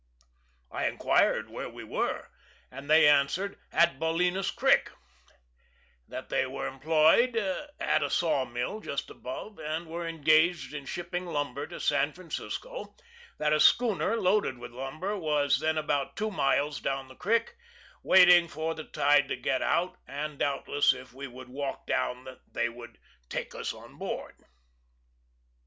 I inquired where we were, and they answered, "At Baulinas Creek;" that they were employed at a saw mill just above, and were engaged in shipping lumber to San Francisco; that a schooner loaded with lumber was then about two miles down the creek, waiting for the tide to get out, and doubtless if we would walk down they would take us on board.